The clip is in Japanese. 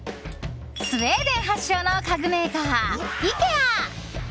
スウェーデン発祥の家具メーカーイケア。